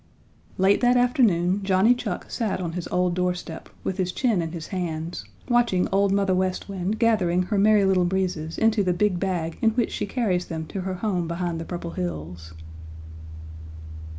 Late that afternoon, Johnny Chuck sat on his old doorstep, with his chin in his hands, watching Old Mother West Wind gathering her Merry Little Breezes into the big bag in which she carries them to their home behind the Purple Hills.